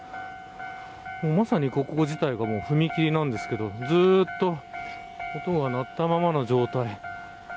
まさに、ここ自体が踏切なんですけどずっと音が鳴ったままの状態。